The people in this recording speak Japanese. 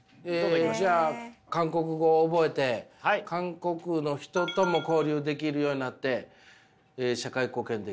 えじゃあ韓国語を覚えて韓国の人とも交流できるようになって社会貢献できるかもしれない。